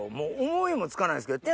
思いも付かないですけど。